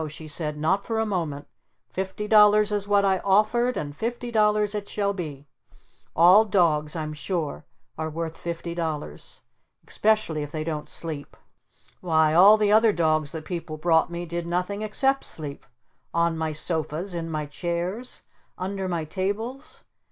she said. "Not for a moment! Fifty dollars is what I offered! And fifty dollars it shall be! All dogs I'm sure are worth fifty dollars. Especially if they don't sleep! Why all the other dogs that people brought me did nothing except sleep! On my sofas! In my chairs! Under my tables!